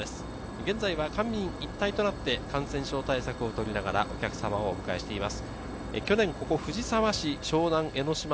現在は官民一体となって、感染症対策を取りながらお客様をお迎えしています。